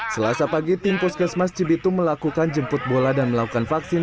selasa pagi tim puskesmas cibitung melakukan jemput bola dan melakukan vaksin